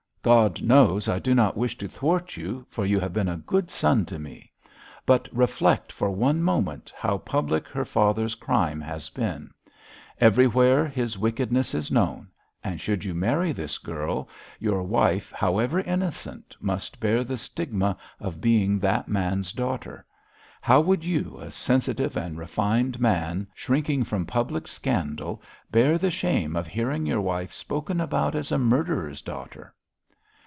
'God knows I do not wish to thwart you, for you have been a good son to me. But reflect for one moment how public her father's crime has been; everywhere his wickedness is known; and should you marry this girl, your wife, however innocent, must bear the stigma of being that man's daughter. How would you, a sensitive and refined man shrinking from public scandal, bear the shame of hearing your wife spoken about as a murderer's daughter?'